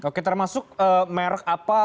oke termasuk merk apa